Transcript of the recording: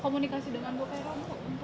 komunikasi dengan bu fairoh